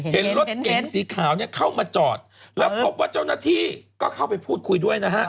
เห็นรถเก๋งสีขาวเนี่ยเข้ามาจอดแล้วพบว่าเจ้าหน้าที่ก็เข้าไปพูดคุยด้วยนะฮะ